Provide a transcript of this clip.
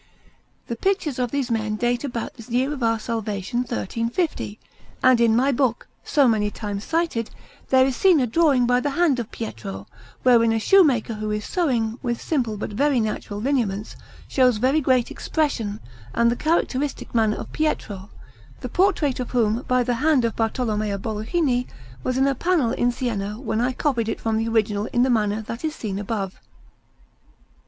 The pictures of these men date about the year of our salvation 1350; and in my book, so many times cited, there is seen a drawing by the hand of Pietro, wherein a shoemaker who is sewing, with simple but very natural lineaments, shows very great expression and the characteristic manner of Pietro, the portrait of whom, by the hand of Bartolommeo Bologhini, was in a panel in Siena, when I copied it from the original in the manner that is seen above.